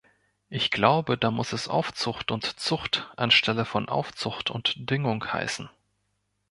Ich glaube, da muss es Aufzucht und Zucht anstelle von Aufzucht und Düngung heißen.